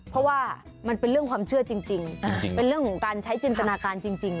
เพราะว่ามันเป็นเรื่องความเชื่อจริงเป็นเรื่องของการใช้จินตนาการจริง